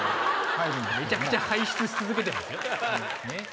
めちゃくちゃ輩出し続けてますよ。